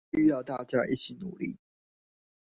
需要大家一起努力